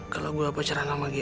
kalau gue pacaran sama gaya